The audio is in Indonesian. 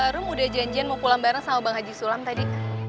rum udah janjian mau pulang bareng sama bang haji sulam tadi